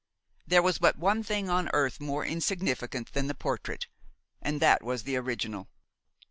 There was but one thing on earth more insignificant than the portrait, and that was the original.